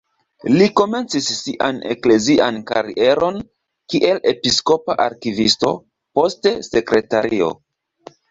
Li komencis sian eklezian karieron kiel episkopa arkivisto, poste sekretario.